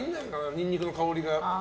ニンニクの香りが。